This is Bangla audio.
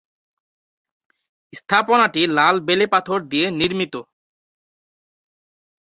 স্থাপনাটি লাল বেলেপাথর দিয়ে নির্মিত।